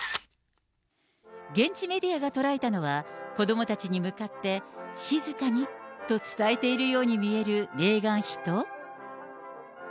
現地メディアが捉えたのは、子どもたちに向かって静かにと伝えているように見えるメーガン妃と。